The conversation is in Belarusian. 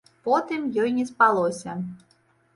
Потым ёй не спалася.